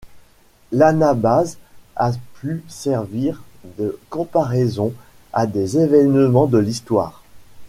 L’Anabase a pu servir de comparaison à des événements de l’histoire.